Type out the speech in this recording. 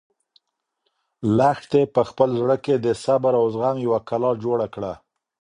لښتې په خپل زړه کې د صبر او زغم یوه کلا جوړه کړه.